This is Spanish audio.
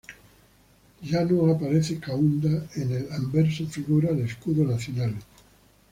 Ya no aparece Kaunda: en el anverso figura el escudo nacional.